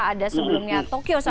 ada sebelumnya tokyo